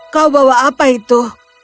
kau bawa apa itu